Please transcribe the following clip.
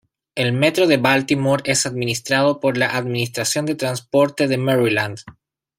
El Metro de Baltimore es administrado por la Administración de Transporte de Maryland.